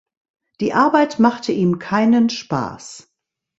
Die Arbeit machte ihm keinen Spaß.